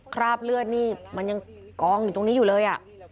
คราบเลือดนี่มันยังกองอยู่ตรงนี้อยู่เลย